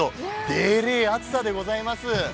でえれえ暑さでございます。